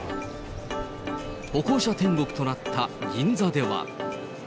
歩行者天国となった銀座では。